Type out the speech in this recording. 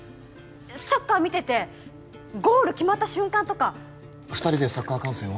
サッカー見ててゴール決まった瞬間とか二人でサッカー観戦を？